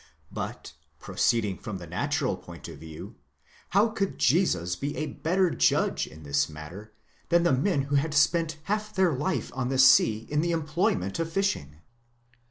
But, proceeding from the natural point of view, how could Jesus be a better judge in this matter than the men who had spent half their life on the sea in the employment of fishing?